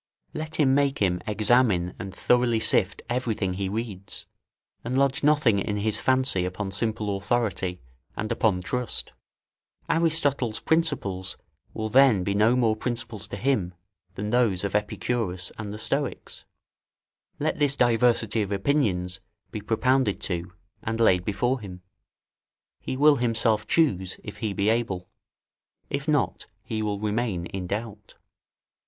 Let him make him examine and thoroughly sift everything he reads, and lodge nothing in his fancy upon simple authority and upon trust. Aristotle's principles will then be no more principles to him, than those of Epicurus and the Stoics: let this diversity of opinions be propounded to, and laid before him; he will himself choose, if he be able; if not, he will remain in doubt.